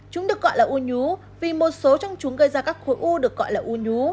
chúng được gọi là u nhú vì một số trong chúng gây ra các khối u được gọi là u nhú